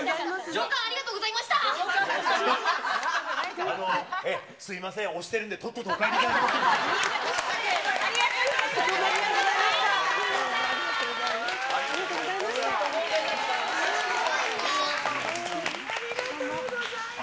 上官、ありがとうございました。